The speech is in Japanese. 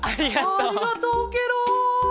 ありがとうケロ！